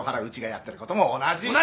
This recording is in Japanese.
うちがやってることも同じ。